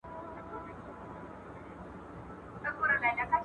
وجوب ئې د کفايت پر طريقه دی.